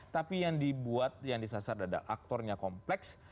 tapi yang dibuat yang disasar adalah aktornya kompleks